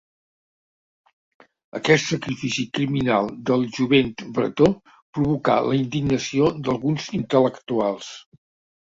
Aquest sacrifici criminal del jovent bretó provocà la indignació d'alguns intel·lectuals.